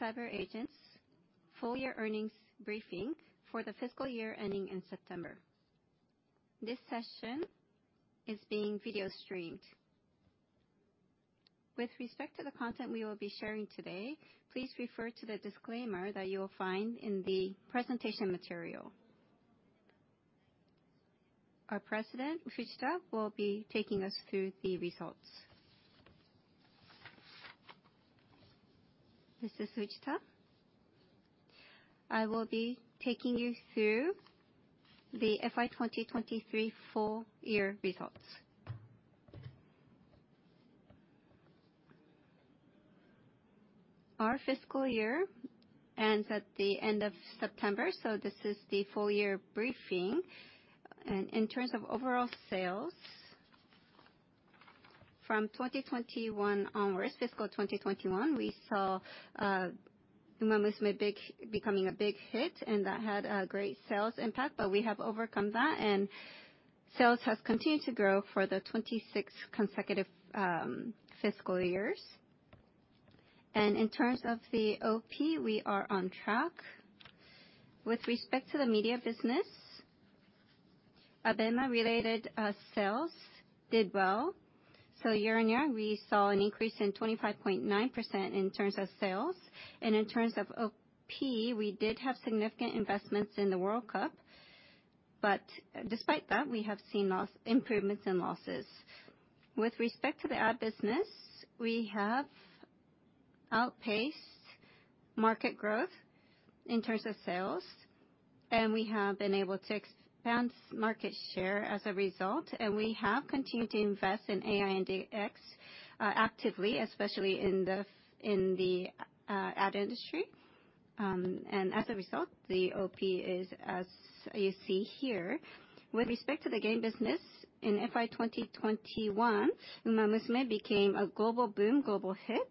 Welcome to CyberAgent's full-year earnings briefing for the fiscal year ending in September. This session is being video streamed. With respect to the content we will be sharing today, please refer to the disclaimer that you will find in the presentation material. Our President, Fujita, will be taking us through the results. Mr. Fujita? I will be taking you through the FY 2023 full-year results. Our fiscal year ends at the end of September, so this is the full-year briefing. In terms of overall sales, from 2021 onwards, fiscal 2021, we saw Umamusume big, becoming a big hit, and that had a great sales impact, but we have overcome that, and sales has continued to grow for the 26 consecutive fiscal years. In terms of the OP, we are on track. With respect to the media business, ABEMA-related sales did well, so year-on-year, we saw an increase in 25.9% in terms of sales. In terms of OP, we did have significant investments in the World Cup, but despite that, we have seen improvements in losses. With respect to the ad business, we have outpaced market growth in terms of sales, and we have been able to expand market share as a result, and we have continued to invest in AI and DX actively, especially in the ad industry. And as a result, the OP is as you see here. With respect to the game business, in FY 2021, Uma Musume became a global boom, global hit,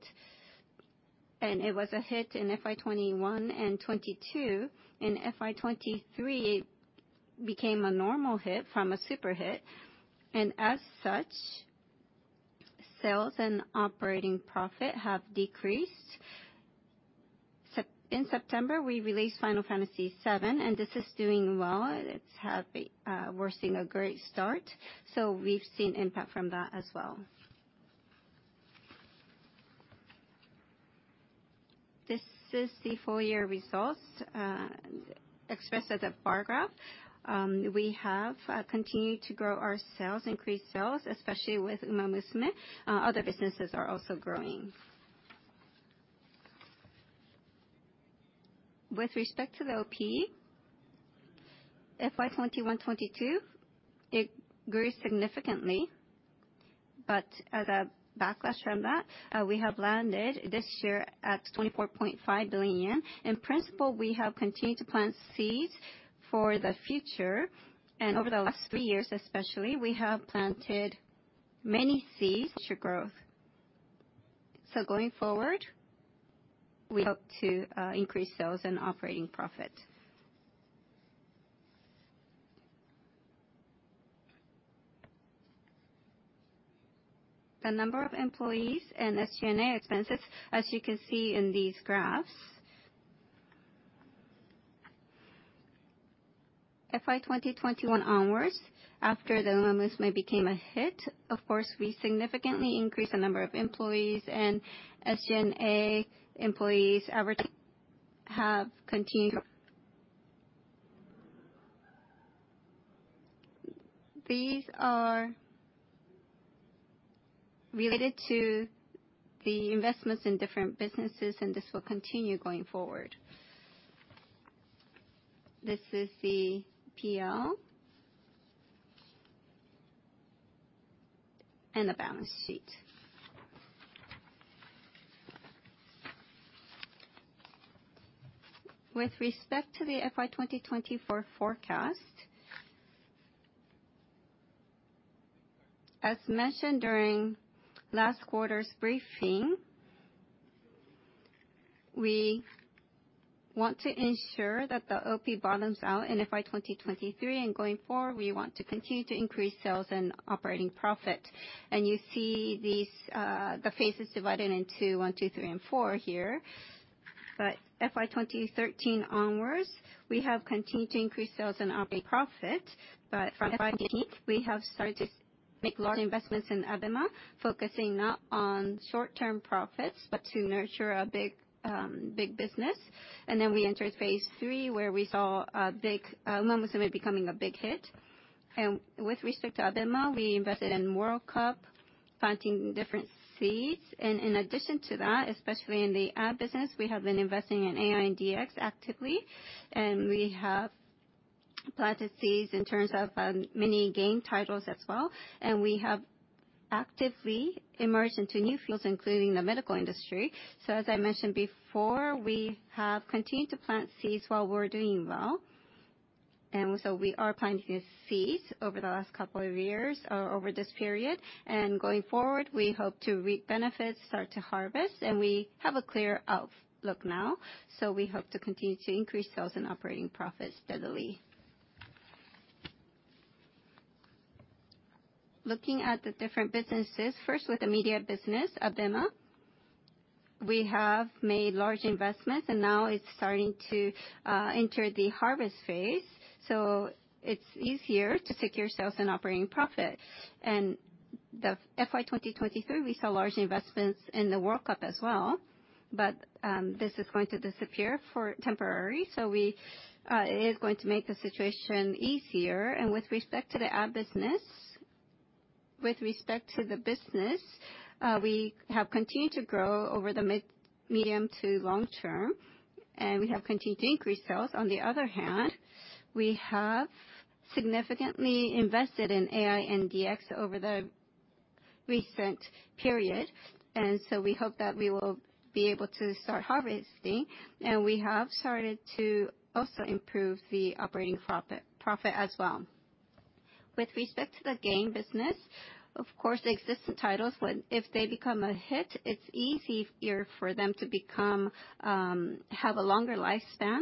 and it was a hit in FY 2021 and 2022. In FY 2023, it became a normal hit from a super hit, and as such, sales and operating profit have decreased. In September, we released Final Fantasy VII, and this is doing well. It's have, we're seeing a great start, so we've seen impact from that as well. This is the full year results, expressed as a bar graph. We have continued to grow our sales, increase sales, especially with Uma Musume. Other businesses are also growing. With respect to the OP, FY 2021, 2022, it grew significantly, but as a backlash from that, we have landed this year at 24.5 billion yen. In principle, we have continued to plant seeds for the future, and over the last three years, especially, we have planted many seeds to growth. So going forward, we hope to increase sales and operating profit. The number of employees and SG&A expenses, as you can see in these graphs, FY 2021 onwards, after the Umamusume became a hit, of course, we significantly increased the number of employees and SG&A expenses average have continued. These are related to the investments in different businesses, and this will continue going forward. This is the PL, and the balance sheet. With respect to the FY 2024 forecast, as mentioned during last quarter's briefing, we want to ensure that the OP bottoms out in FY 2023, and going forward, we want to continue to increase sales and operating profit. And you see these, the phases divided into one, two, three, and four here. But FY 2013 onwards, we have continued to increase sales and operating profit, but from FY 2018, we have started to make large investments in ABEMA, focusing not on short-term profits, but to nurture a big, big business. And then we entered phase III, where we saw a big, Umamusume becoming a big hit. And with respect to ABEMA, we invested in World Cup, planting different seeds, and in addition to that, especially in the ad business, we have been investing in AI and DX actively, and we have planted seeds in terms of, many game titles as well. And we have actively emerged into new fields, including the medical industry. So as I mentioned before, we have continued to plant seeds while we're doing well. We are planting new seeds over the last couple of years, over this period, and going forward, we hope to reap benefits, start to harvest, and we have a clear outlook now, so we hope to continue to increase sales and operating profit steadily. Looking at the different businesses, first with the media business, ABEMA, we have made large investments, and now it's starting to enter the harvest phase, so it's easier to secure sales and operating profit. For FY 2023, we saw large investments in the World Cup as well, but this is going to disappear temporarily, so it is going to make the situation easier. With respect to the ad business, with respect to the business, we have continued to grow over the medium to long term, and we have continued to increase sales. On the other hand, we have significantly invested in AI and DX over the recent period, and so we hope that we will be able to start harvesting, and we have started to also improve the operating profit, profit as well. With respect to the game business, of course, the existing titles, if they become a hit, it's easier for them to become, have a longer lifespan,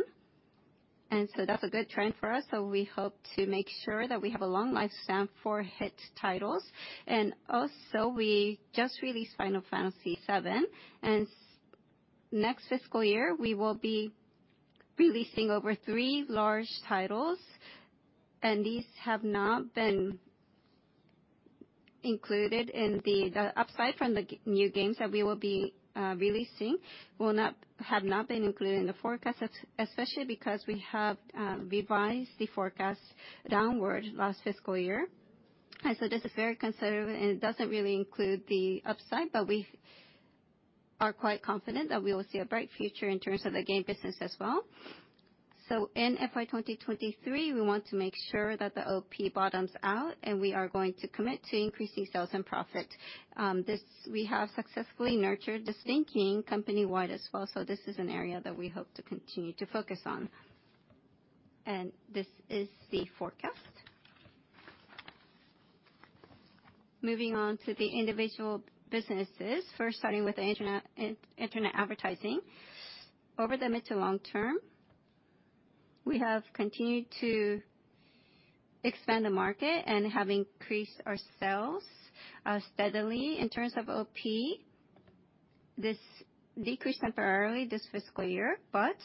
and so that's a good trend for us. So we hope to make sure that we have a long lifespan for hit titles. And also, we just released Final Fantasy VII, and next fiscal year, we will be releasing over three large titles, and these have not been included in the upside from the new games that we will be releasing will not have been included in the forecast, especially because we have revised the forecast downward last fiscal year. And so this is very conservative, and it doesn't really include the upside, but we are quite confident that we will see a bright future in terms of the game business as well. So in FY 2023, we want to make sure that the OP bottoms out, and we are going to commit to increasing sales and profit. We have successfully nurtured this thinking company-wide as well, so this is an area that we hope to continue to focus on. This is the forecast. Moving on to the individual businesses, first starting with the internet, internet advertising. Over the mid to long term, we have continued to expand the market and have increased our sales steadily. In terms of OP, this decreased temporarily this fiscal year, but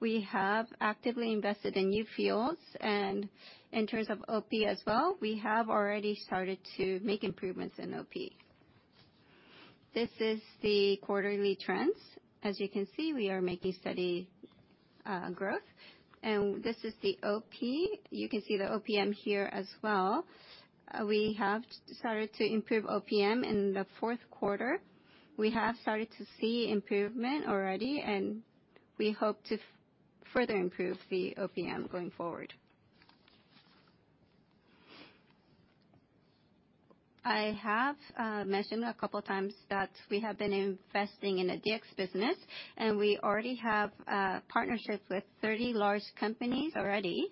we have actively invested in new fields. In terms of OP as well, we have already started to make improvements in OP. This is the quarterly trends. As you can see, we are making steady growth. This is the OP. You can see the OPM here as well. We have started to improve OPM in the fourth quarter. We have started to see improvement already, and we hope to further improve the OPM going forward. I have mentioned a couple times that we have been investing in the DX business, and we already have partnerships with 30 large companies already.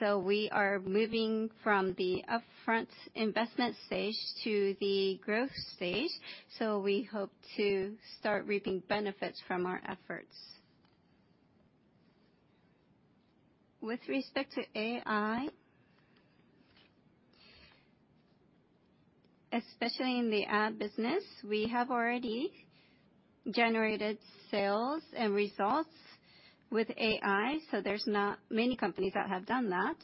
So we are moving from the upfront investment stage to the growth stage, so we hope to start reaping benefits from our efforts. With respect to AI, especially in the ad business, we have already generated sales and results with AI, so there's not many companies that have done that.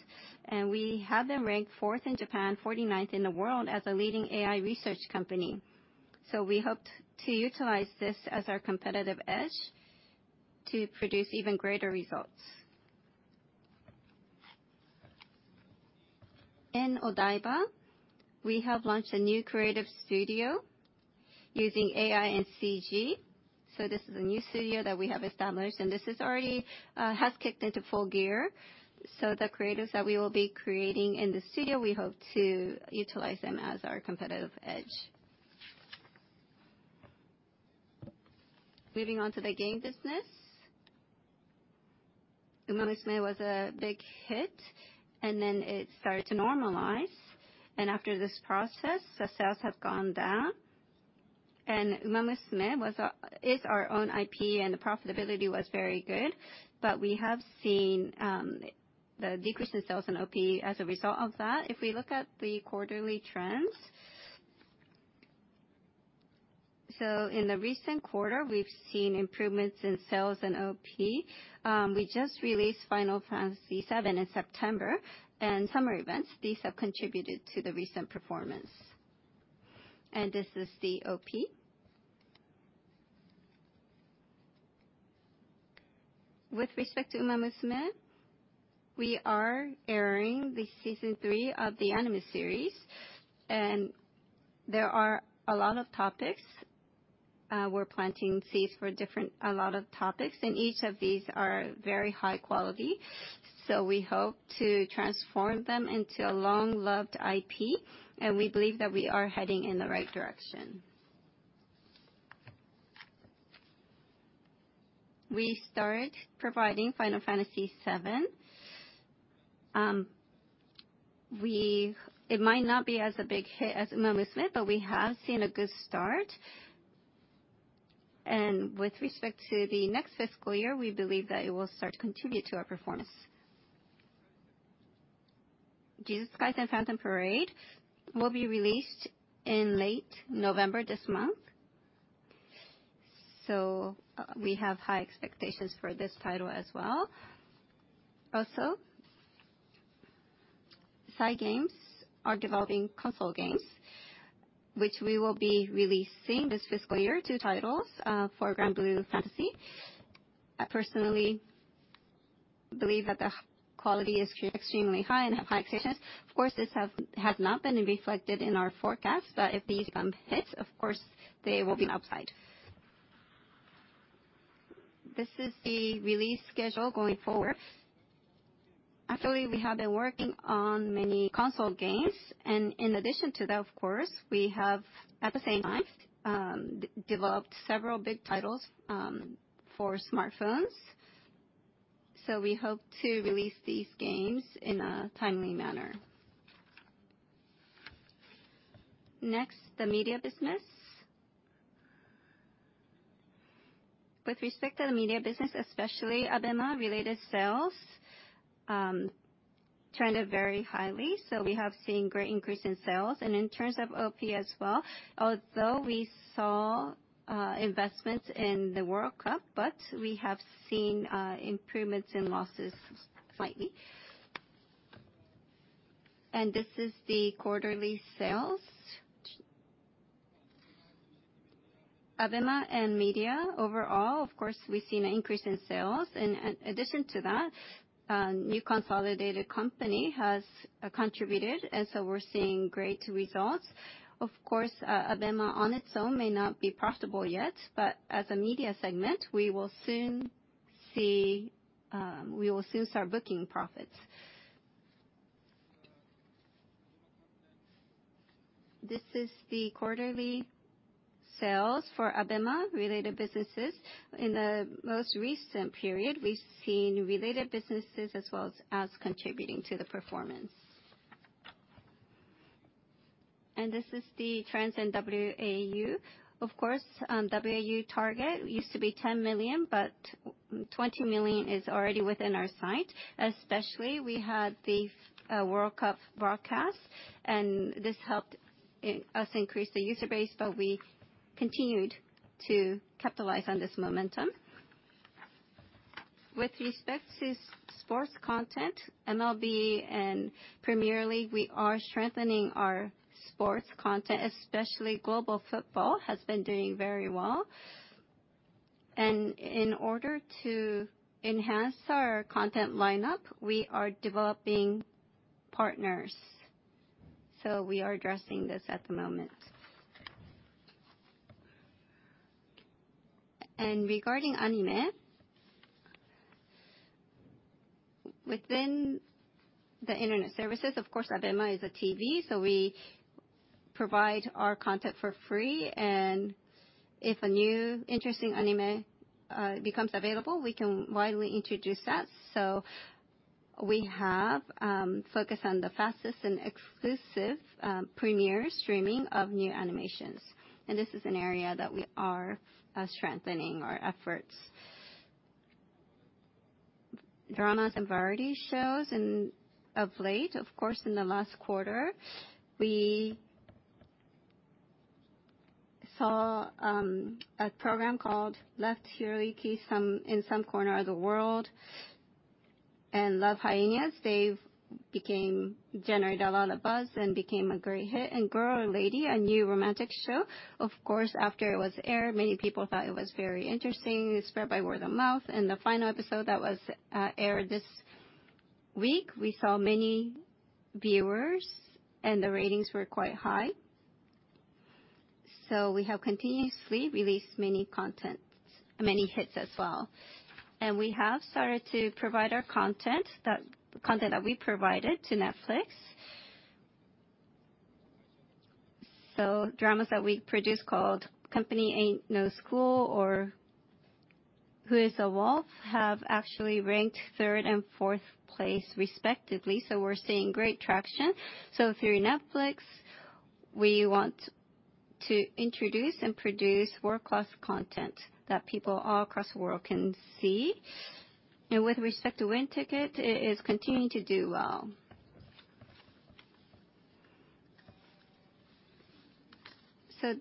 We have been ranked fourth in Japan, 49th in the world, as a leading AI research company. So we hope to utilize this as our competitive edge to produce even greater results. In Odaiba, we have launched a new creative studio using AI and CG. So this is a new studio that we have established, and this already has kicked into full gear. So the creatives that we will be creating in the studio, we hope to utilize them as our competitive edge. Moving on to the game business. Umamusume was a big hit, and then it started to normalize, and after this process, the sales have gone down. Umamusume was our, is our own IP, and the profitability was very good, but we have seen the decrease in sales and OP as a result of that. If we look at the quarterly trends, so in the recent quarter, we've seen improvements in sales and OP. We just released Final Fantasy VII in September and summer events. These have contributed to the recent performance. And this is the OP. With respect to Umamusume, we are airing the season three of the anime series, and there are a lot of topics. We're planting seeds for different, a lot of topics, and each of these are very high quality. We hope to transform them into a long-loved IP, and we believe that we are heading in the right direction. We start providing FINAL FANTASY VII EVER CRISIS. We -- it might not be as a big hit as Umamusume: Pretty Derby, but we have seen a good start. With respect to the next fiscal year, we believe that it will start to continue to our performance. Jujutsu Kaisen Phantom Parade will be released in late November this month, so we have high expectations for this title as well. Also, Cygames are developing console games, which we will be releasing this fiscal year, two titles for Granblue Fantasy. I personally believe that the quality is extremely high and have high expectations. Of course, this has not been reflected in our forecast, but if these become hits, of course, they will be an upside. This is the release schedule going forward. Actually, we have been working on many console games, and in addition to that, of course, we have, at the same time, developed several big titles for smartphones. So we hope to release these games in a timely manner. Next, the media business. With respect to the media business, especially ABEMA-related sales, trended very highly, so we have seen great increase in sales. In terms of OP as well, although we saw investments in the World Cup, but we have seen improvements in losses slightly. This is the quarterly sales. ABEMA and media overall, of course, we've seen an increase in sales. In addition to that, new consolidated company has contributed, and so we're seeing great results. Of course, ABEMA on its own may not be profitable yet, but as a media segment, we will soon see, we will soon start booking profits. This is the quarterly sales for ABEMA-related businesses. In the most recent period, we've seen related businesses as well as ads contributing to the performance. This is the trends in WAU. Of course, WAU target used to be 10 million, but 20 million is already within our sight. Especially, we had the World Cup broadcast, and this helped us increase the user base, but we continued to capitalize on this momentum. With respect to sports content, MLB and Premier League, we are strengthening our sports content, especially global football has been doing very well. In order to enhance our content lineup, we are developing partners, so we are addressing this at the moment. Regarding anime, within the internet services, of course, ABEMA is a TV, so we provide our content for free, and if a new interesting anime becomes available, we can widely introduce that. We have focused on the fastest and exclusive premiere streaming of new animations, and this is an area that we are strengthening our efforts. Dramas and variety shows, and of late, of course, in the last quarter, we saw a program called Left Hiroyuki, Some In Some Corner of the World and Love Hyenas. They've generated a lot of buzz and became a great hit. GIRL or LADY, a new romantic show, of course, after it was aired, many people thought it was very interesting. It spread by word of mouth, and the final episode that was aired this week, we saw many viewers, and the ratings were quite high. So we have continuously released many contents, many hits as well. And we have started to provide our content that content that we provided to Netflix. So dramas that we produced called Company Ain't No School or Who is a Wolf? have actually ranked third and fourth place, respectively, so we're seeing great traction. So through Netflix, we want to introduce and produce world-class content that people all across the world can see. And with respect to WINTICKET, it is continuing to do well. So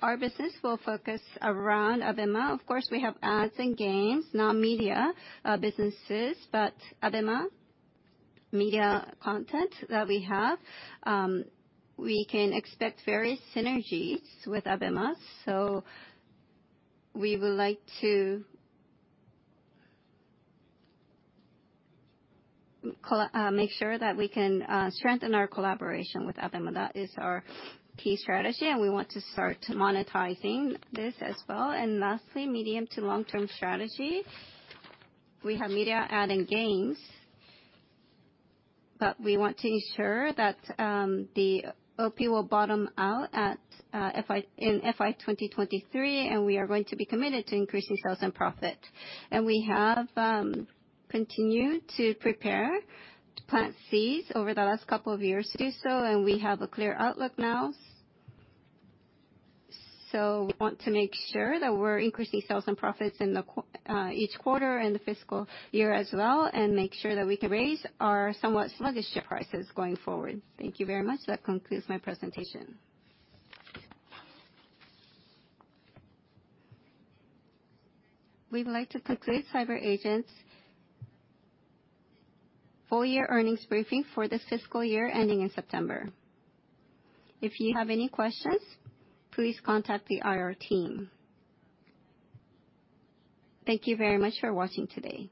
our business will focus around ABEMA. Of course, we have ads and games, non-media businesses, but ABEMA media content that we have, we can expect various synergies with ABEMA. So we would like to make sure that we can strengthen our collaboration with ABEMA. That is our key strategy, and we want to start monetizing this as well. Lastly, medium to long-term strategy. We have media, ad, and games, but we want to ensure that the OP will bottom out in FY 2023, and we are going to be committed to increasing sales and profit. We have continued to prepare to plant seeds over the last couple of years to do so, and we have a clear outlook now. We want to make sure that we're increasing sales and profits in each quarter and the fiscal year as well, and make sure that we can raise our somewhat sluggish share prices going forward. Thank you very much. That concludes my presentation. We'd like to conclude CyberAgent's full year earnings briefing for the fiscal year ending in September. If you have any questions, please contact the IR team. Thank you very much for watching today.